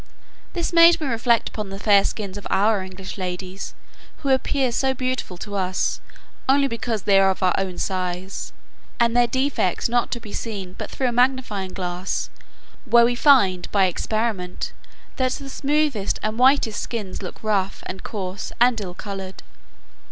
This made me reflect upon the fair skins of our English ladies, who appear so beautiful to us, only because they are of our own size, and their defects not to be seen but through a magnifying glass; where we find by experiment that the smoothest and whitest skins look rough, and coarse, and ill coloured.